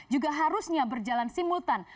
juga harusnya berjalan simultan